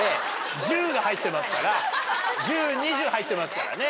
１０２０入ってますからね。